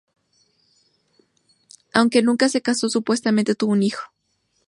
Aunque nunca se casó, supuestamente tuvo un hijo.